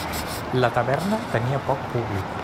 La taverna tenia poc públic.